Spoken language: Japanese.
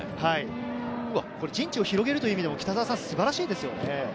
陣地を広げるという意味でも素晴らしいですよね。